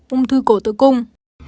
ung thư cổ tự cung